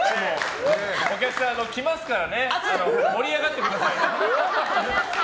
お客さん、来ますからね盛り上がってくださいね。